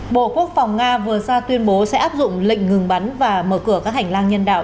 bộ quốc phòng nga vừa ra tuyên bố sẽ áp dụng lệnh ngừng bắn và mở cửa các hành lang nhân đạo